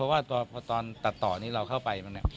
แล้วก็สำคัญที่สุดคือตรงนี้ใช่ไหมครับที่